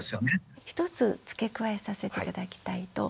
１つ付け加えさせて頂きたいと。